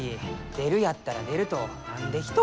出るやったら出ると何でひと言。